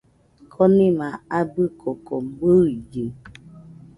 Konima abɨ koko bɨillɨ